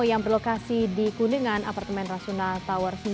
yang berlokasi di kuningan apartemen rasuna tower sembilan